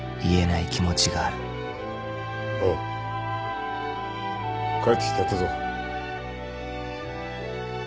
おう帰ってきてやったぞ。